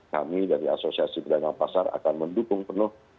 kami dari asosiasi pedagang pasar akan mendukung penuh